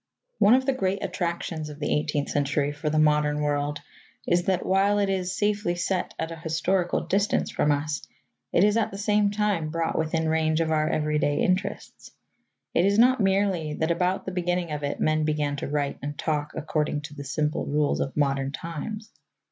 One of the great attractions of the eighteenth century for the modern world is that, while it is safely set at an historical distance from us, it is, at the same time, brought within range of our everyday interests. It is not merely that about the beginning of it men began to write and talk according to the simple rules of modern times.